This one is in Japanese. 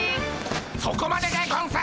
そこまででゴンス！